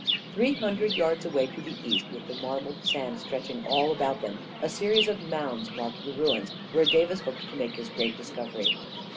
Three hundred yards away to the east, with the marbled sand stretching all about them, a series of mounds marked the ruins where Davis hoped to make his great discovery.